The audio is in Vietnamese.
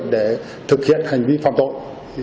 để thực hiện hành vi phạm tội